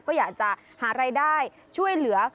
ก็อยากจะหารายได้ช่วยเหลือ